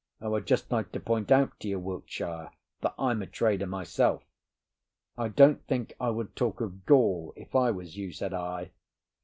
I would just like to point out to you, Wiltshire, that I'm a trader myself." "I don't think I would talk of gall if I was you," said I.